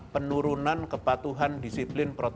penurunan kepatuhan disiplin masyarakat